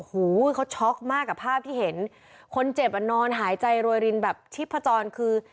หูเขาช็อกมากกับภาพที่เห็นคนเจ็บอ่ะนอนหายใจโรยรินแบบชิพจรคือ